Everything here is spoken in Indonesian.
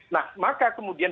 nah maka kemudian